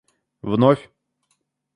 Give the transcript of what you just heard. вновь